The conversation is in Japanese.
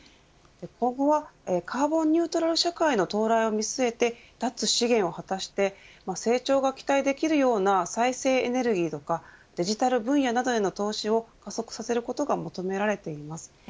今後はカーボンニュートラル社会の到来を見据えて脱資源を果たして成長が期待できるような再生エネルギーやデジタル分野などへの投資を加速させることが求められています。